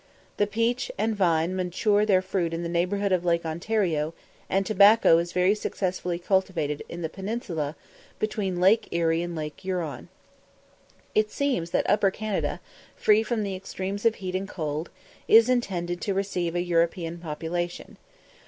The peach and vine mature their fruit in the neighbourhood of Lake Ontario, and tobacco is very successfully cultivated on the peninsula between Lake Erie and Lake Huron. It seems that Upper Canada, free from the extremes of heat and cold, is intended to receive a European population.